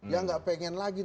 yang gak pengen lagi